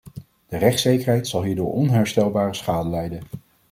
De rechtszekerheid zal hierdoor onherstelbare schade lijden.